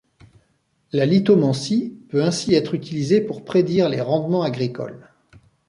La lithomancie peut ainsi être utilisée pour prédire les rendements agricoles.